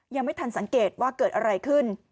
ยังไม่ทันสังเกตว่าเกิดอะไรขึ้น